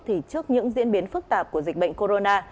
thì trước những diễn biến phức tạp của dịch bệnh corona